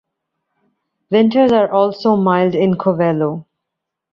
Winters are also mild in Covelo.